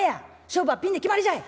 勝負はピンで決まりじゃい」。